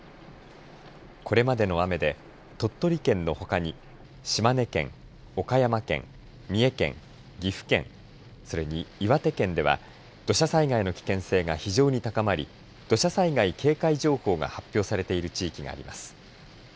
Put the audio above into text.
これまでの雨で、鳥取県のほかに島根県、岡山県、三重県岐阜県、それに岩手県では土砂災害の危険性が非常に高まり土砂災害警戒情報が発表されている地域があります。